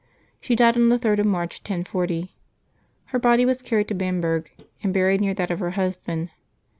She died on the 3d of March, 1040. Her body was carried to Bamberg and buried near that of her husband.